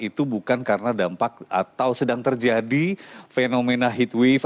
itu bukan karena dampak atau sedang terjadi fenomena heatwave